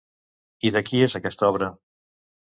I de qui és aquesta obra?